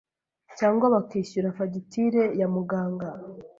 cyangwa bakishyura fagitire ya muganga,